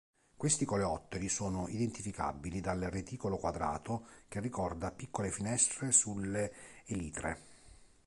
Questi coleotteri sono identificabili dal reticolo quadrato che ricorda piccole finestre sulle elitre.